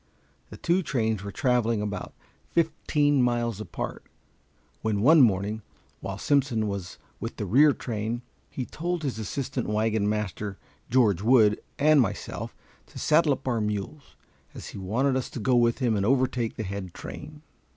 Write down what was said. The two trains were traveling about fifteen miles apart, when one morning, while Simpson was with the rear train, he told his assistant wagon master George Wood and myself to saddle up our mules, as he wanted us to go with him and overtake the head train.